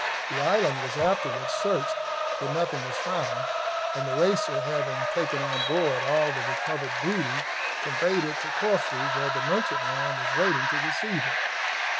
The island was afterwards searched, but nothing was found, and the Racer, having taken on board all the recovered booty, conveyed it to Corfu, where the merchantman was waiting to receive it.